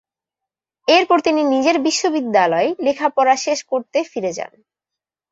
এরপর তিনি নিজের বিশ্ববিদ্যালয়ে পড়ালেখা শেষ করতে ফিরে যান।